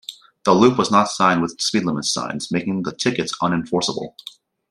The loop was not signed with speed-limit signs, making the tickets unenforceable.